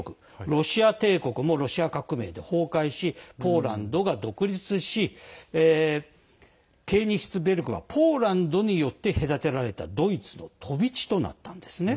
ロシア帝国もロシア革命で崩壊しポーランドが独立しケーニヒスベルクはポーランドによって隔てられたドイツの飛び地となったんですね。